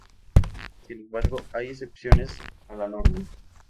Sin embargo hay excepciones a la norma.